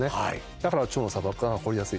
だから腸の砂漠化が起こりやすい。